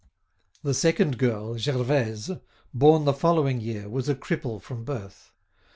The second girl, Gervaise,[*] born the following year, was a cripple from birth.